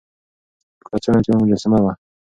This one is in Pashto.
په کڅوړه کې يوه مجسمه وه.